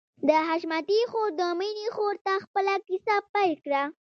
د حشمتي خور د مينې خور ته خپله کيسه پيل کړه.